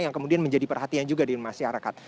yang kemudian menjadi perhatian juga di masyarakat